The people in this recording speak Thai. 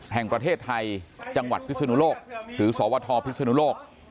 แห่งประเทศไทยจังหวัดพิศนุโลกหรือสวทพิศนุโลก